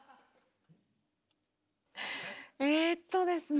えっとですね。